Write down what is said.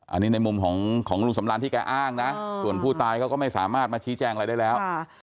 อันนี้ในมุมของลุงสำราญที่แกอ้างนะส่วนผู้ตายเขาก็ไม่สามารถมาชี้แจงอะไรได้แล้ว